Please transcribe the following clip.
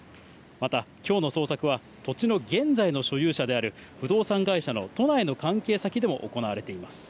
また、きょうの捜索は土地の現在の所有者である不動産会社の都内の関係先でも行われています。